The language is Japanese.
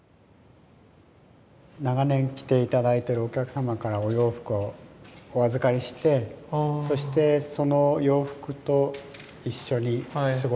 長年着て頂いてるお客様からお洋服をお預かりしてそしてその洋服と一緒に過ごした時の思い出を。